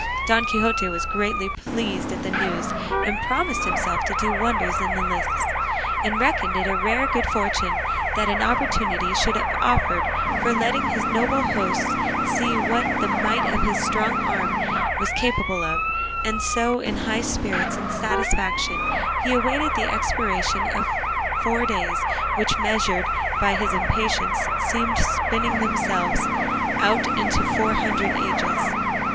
Don Quixote was greatly pleased at the news, and promised himself to do wonders in the lists, and reckoned it rare good fortune that an opportunity should have offered for letting his noble hosts see what the might of his strong arm was capable of; and so in high spirits and satisfaction he awaited the expiration of the four days, which measured by his impatience seemed spinning themselves out into four hundred ages.